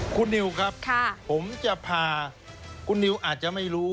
คุณนิวครับผมจะพาคุณนิวอาจจะไม่รู้